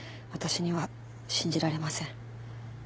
私には信じられません。